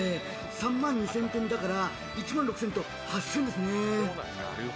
３万２０００点だから、１万６０００と８０００ですね。